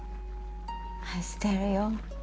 愛してるよ。